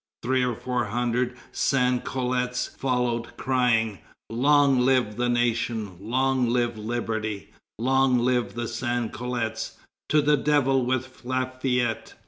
Three or four hundred sans culottes followed, crying 'Long live the nation! Long live liberty! Long live the sans culottes! to the devil with Lafayette!'